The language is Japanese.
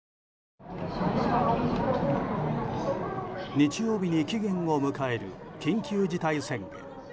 日曜日に期限を迎える緊急事態宣言。